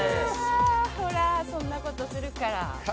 ほら、そんなことするから。